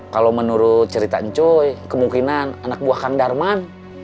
kalau menurut cerita encoy kemungkinan anak buah kang darman